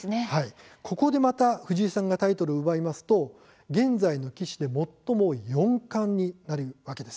ここでまた藤井さんがタイトルを奪いますと現在の棋士で最も多い四冠になるわけです。